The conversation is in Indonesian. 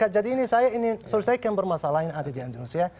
jadi ini saya ini selesaikan bermasalah yang ada di indonesia